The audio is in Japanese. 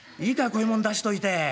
こういうもん出しといて。